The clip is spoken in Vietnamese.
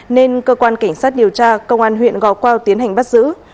nên cơ quan cảnh sát điều tra công an huyện gò quao tiến hành bắt giữ